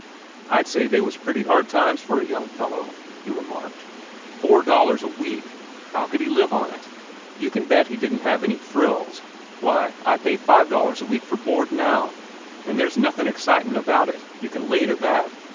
"I'd say they was pretty hard lines for a young fellow," he remarked. "Four dollars a week! How could he live on it? You can bet he didn't have any frills. Why, I pay five dollars a week for board now, an' there's nothin' excitin' about it, you can lay to that.